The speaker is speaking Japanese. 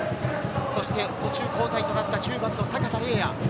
そして途中交代となった１０番の阪田澪哉。